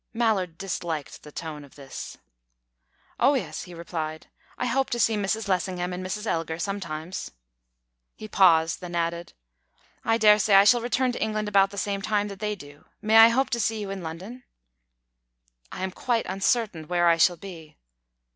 Mallard disliked the tone of this. "Oh yes," he replied. "I hope to see Mrs. Lessingham and Mrs. Elgar sometimes." He paused; then added: "I dare say I shall return to England about the same time that they do. May I hope to see you in London?" "I am quite uncertain where I shall be."